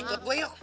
ikut gue yuk